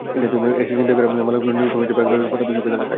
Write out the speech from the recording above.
এসে ছিনতাই করা মালামালগুলো নিজেরা ভাগ করে নেন পতেঙ্গা সৈকত এলাকায়।